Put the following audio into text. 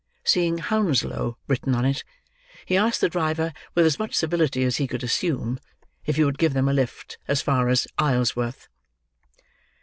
Seeing "Hounslow" written on it, he asked the driver with as much civility as he could assume, if he would give them a lift as far as Isleworth.